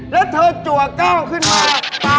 แล้วเธอจัวก้าวขึ้นมา